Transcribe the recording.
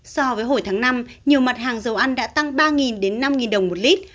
so với hồi tháng năm nhiều mặt hàng dầu ăn đã tăng ba đến năm đồng một lít